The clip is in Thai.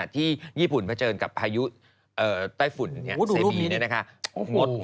ที่มันจะแทบขึ้นมาถูกต้อง